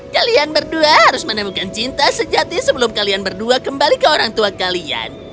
kalian berdua harus menemukan cinta sejati sebelum kalian berdua kembali ke orang tua kalian